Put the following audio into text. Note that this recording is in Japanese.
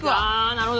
なるほど。